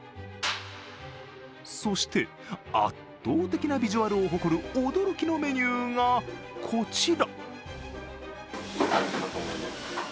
そして圧倒的なビジュアルを誇る驚きのメニューがこちら。